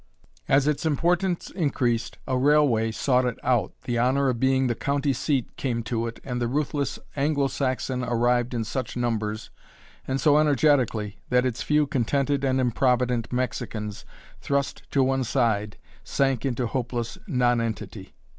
As its importance increased a railway sought it out, the honor of being the county seat came to it, and the ruthless Anglo Saxon arrived in such numbers and so energetically that its few contented and improvident Mexicans, thrust to one side, sank into hopeless nonentity.